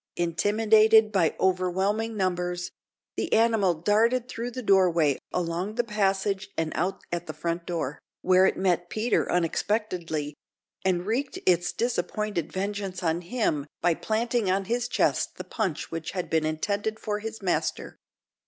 Intimidated by overwhelming numbers, the animal darted through the doorway, along the passage and out at the front door, where it met Peter unexpectedly, and wreaked its disappointed vengeance on him by planting on his chest the punch which had been intended for his master.